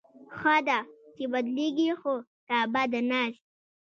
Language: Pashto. ښه ده، چې بدلېږي خو کعبه د ناز